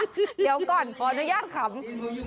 เดี๋ยวก่อนขออนุญาตขำ